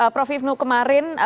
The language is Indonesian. prof ivnu kemarin